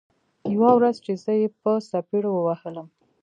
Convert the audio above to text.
يوه ورځ چې زه يې په څپېړو ووهلم.